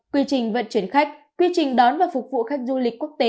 quy trình vận chuyển khách quy trình đón và phục vụ khách du lịch quốc tế